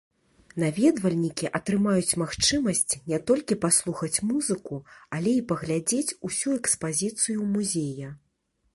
Наведвальнікі атрымаюць магчымасць не толькі паслухаць музыку, але і паглядзець усю экспазіцыю музея.